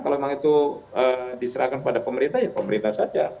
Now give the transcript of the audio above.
kalau memang itu diserahkan kepada pemerintah ya pemerintah saja